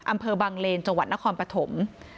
อำเภอบังเลนจังหวัดนครปฐม